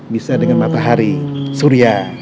bisa dengan matahari surya